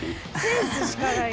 センスしかないやん。